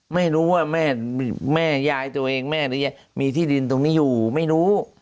ไม่รู้ว่าแม่ยายตัวเองแม่มีที่ดินตรงนี้อยู่ไม่รู้